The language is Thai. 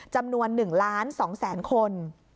จำนวน๑ล้าน๒แสนคน